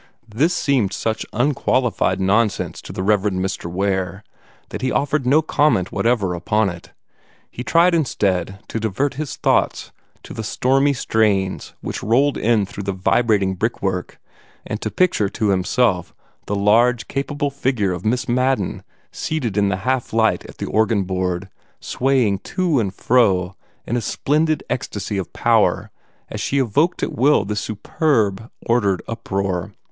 This seemed such unqualified nonsense to the Rev. Mr. Ware that he offered no comment whatever upon it. He tried instead to divert his thoughts to the stormy strains which rolled in through the vibrating brickwork, and to picture to himself the large, capable figure of Miss Madden seated in the half light at the organ board, swaying to and fro in a splendid ecstasy of power as she evoked at will this superb and ordered uproar.